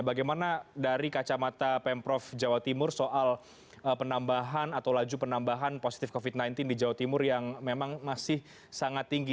bagaimana dari kacamata pemprov jawa timur soal penambahan atau laju penambahan positif covid sembilan belas di jawa timur yang memang masih sangat tinggi